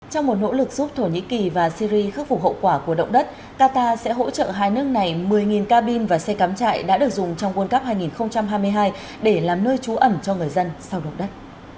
trong một nỗ lực giúp thổ nhĩ kỳ và syri khắc phục hậu quả của động đất qatar sẽ hỗ trợ hai nước này một mươi cabin và xe cắm trại đã được dùng trong quân cấp hai nghìn hai mươi hai để làm nơi trú ẩn cho người dân sau động đất